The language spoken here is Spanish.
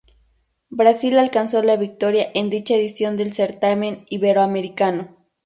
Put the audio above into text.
Brasil alcanzó la victoria en dicha edición del certamen iberoamericano.